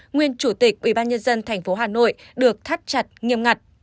nguyên chủ tịch ubnd tp hà nội được thắt chặt nghiêm ngặt